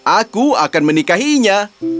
aku akan menikahinya